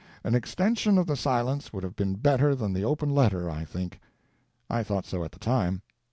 An extension of the silence would have been better than the Open Letter, I think. I thought so at the time.